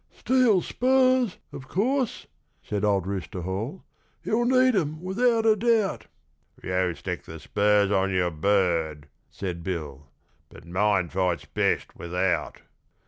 'Steel spurs, of course?' said old Rooster Hall; 'you'll need 'em, without a doubt!' 'You stick the spurs on your bird!' said Bill, 'but mine fights best without.'